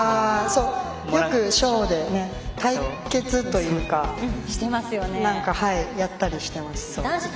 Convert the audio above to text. よく、ショーで対決というかやったりしてます。